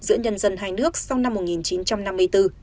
giữa nhân dân hai nước sau năm một nghìn chín trăm năm mươi bốn